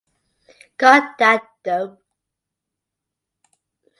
Got That Dope.